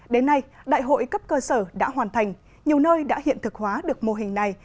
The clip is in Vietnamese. đến nay đại hội cấp cơ sở đã hoàn thành nhiều nơi đã hiện thực hóa được mô hình này